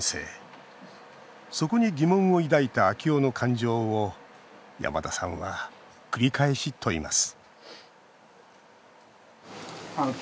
そこに疑問を抱いた昭夫の感情を山田さんは、繰り返し問います。